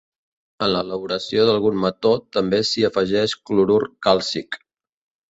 En l'elaboració d'algun mató també s'hi afegeix clorur càlcic.